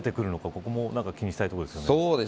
ここも気にしたいところですよね。